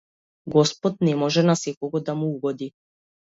Господ на може на секого да му угоди.